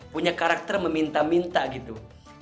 punya karakter meminta minta gitu